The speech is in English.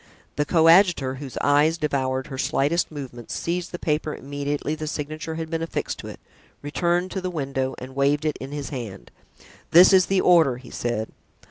The coadjutor, whose eyes devoured her slightest movements, seized the paper immediately the signature had been affixed to it, returned to the window and waved it in his hand. "This is the order," he said.